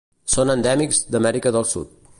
Són endèmics d'Amèrica del Sud.